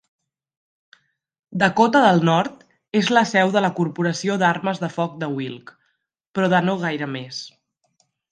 Dakota del Nord és la seu de la corporació d'armes de foc de Wilk, però de no gaire més.